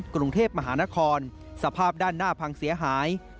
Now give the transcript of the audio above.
กรุงเทพมหานครสภาพด้านหน้าพังเสียหาย